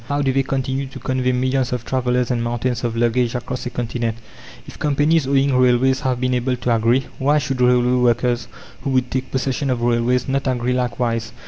How do they continue to convey millions of travellers and mountains of luggage across a continent? If companies owning railways have been able to agree, why should railway workers, who would take possession of railways, not agree likewise?